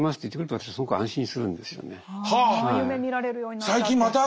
はあ。は夢見られるようになったって。